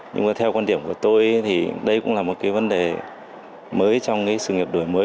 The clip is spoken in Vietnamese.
nhưng mà theo quan điểm của tôi thì đây cũng là một cái vấn đề mới trong cái sự nghiệp đổi mới